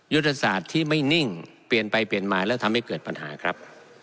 ยุทธศาสตร์ที่ไม่นิ่งเปลี่ยนไปเปลี่ยนมาแล้วทำให้เกิดปัญหาครับ